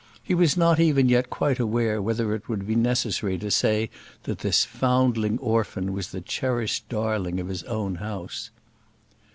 He was not even yet quite aware whether it would be necessary to say that this foundling orphan was the cherished darling of his own house.